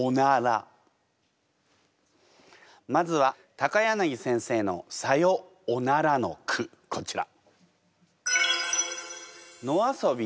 まずは柳先生の「さよおなら」の句こちら。